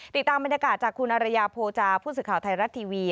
ติดตามบรรยากาศจากคุณอรยาโพจาผู้สื่อข่าวไทยรัฐทีวี